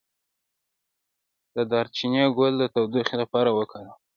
د دارچینی ګل د تودوخې لپاره وکاروئ